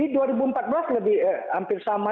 di dua ribu empat belas lebih hampir sama